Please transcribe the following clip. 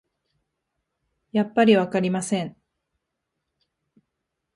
やっぱりわかりません